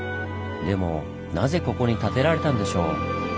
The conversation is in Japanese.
でもなぜここに建てられたんでしょう？